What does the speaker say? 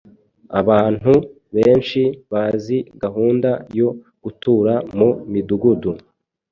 Abantu benshi bazi gahunda yo gutura mu midugudu,